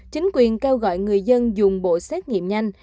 chính quyền kêu gọi người dân dùng bộ xét nghiệm nhanh